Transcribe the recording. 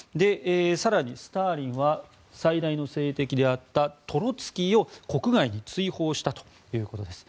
更にスターリンは最大の政敵であったトロツキーを国外に追放したということです。